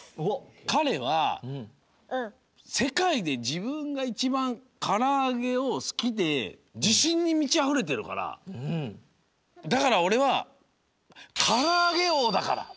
かれはせかいでじぶんが１ばんからあげをすきでじしんにみちあふれてるからだからおれは「からあげおうだから」。